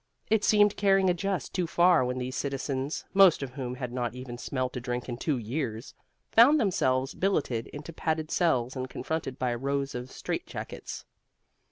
It seemed carrying a jest too far when these citizens, most of whom had not even smelt a drink in two years, found themselves billeted into padded cells and confronted by rows of strait jackets.